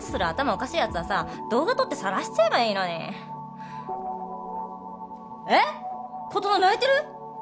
おかしいヤツはさ動画撮ってさらしちゃえばいいのにえぇ⁉琴乃泣いてる